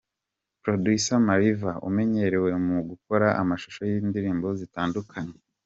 Producer Mariva umenyerewe mu gukora amashusho y'indirimbo zitandukanye.